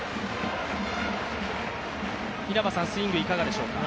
スイングいかがでしょうか？